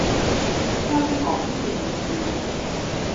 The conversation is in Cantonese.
香港電視